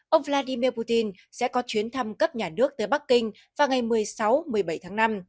ông vladimir putin sẽ có chuyến thăm cấp nhà nước tới bắc kinh vào ngày một mươi sáu một mươi bảy tháng năm